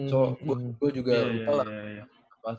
so gue juga lupa lah